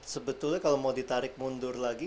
sebetulnya kalau mau ditarik mundur lagi